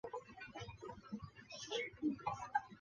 当时在英国经营各种另类培训行业。